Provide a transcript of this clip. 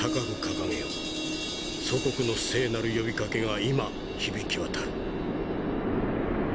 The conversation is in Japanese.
祖国の聖なる呼びかけが今響き渡る」。